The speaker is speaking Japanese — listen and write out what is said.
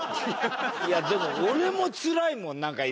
いやでも俺もつらいもんなんか今。